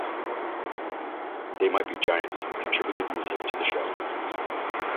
"They Might Be Giants" contributed music to the show.